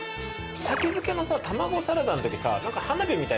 先付けの卵サラダのときさ。